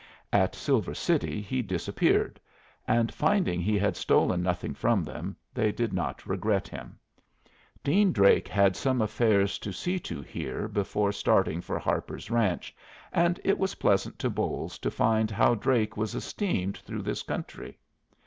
At Silver City he disappeared, and, finding he had stolen nothing from them, they did not regret him. Dean Drake had some affairs to see to here before starting for Harper's ranch, and it was pleasant to Bolles to find how Drake was esteemed through this country.